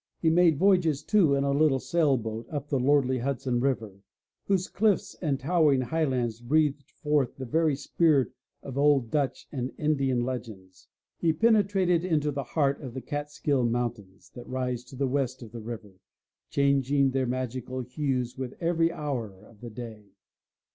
He made voyages too, in a sail boat up the lordly Hudson River whose cliffs and towering highlands breathed forth the very spirit of old Dutch and Indian legends. He penetrated into the heart of the 122 THE LATCH KEY Catskill Mountains, that rise to the west of the river, changing their magical hues with every hour of the day.